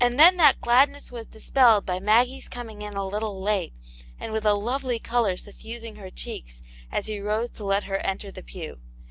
77 then that gladness was dispelled by Maggie's coming in a little late, and with a lovely colour suffusing her cheeks as he rose to let her enter the pew.